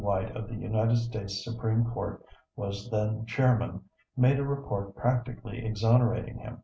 White of the United States Supreme Court was then chairman, made a report practically exonerating him.